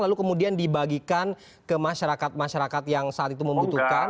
lalu kemudian dibagikan ke masyarakat masyarakat yang saat itu membutuhkan